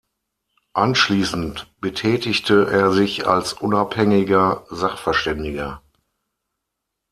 Anschließend betätigte er sich als unabhängiger Sachverständiger.